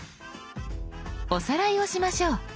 おさらいをしましょう。